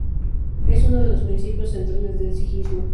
Es uno de los principios centrales del sijismo.